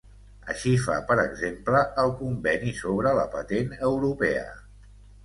Així fa per exemple el Conveni sobre la Patent Europea.